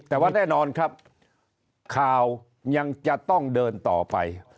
แต่ว่าแน่นอนครับข่าวยังจะต้องเดินต่อไป